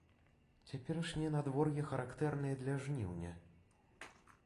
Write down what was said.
Цяперашняе надвор'е характэрнае для жніўня.